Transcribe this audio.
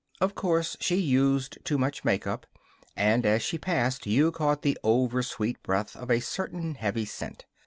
Of course she used too much make up, and as she passed you caught the oversweet breath of a certain heavy scent.